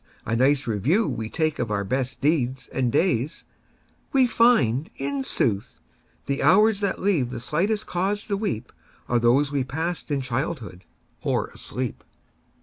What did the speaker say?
a nice review we takeOf our best deeds and days, we find, in sooth, The hours that leave the slightest cause to weepAre those we passed in childhood or asleep!